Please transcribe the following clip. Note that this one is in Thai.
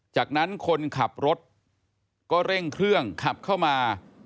จากนั้นคนขับรถก็เร่งเครื่องขับเข้ามา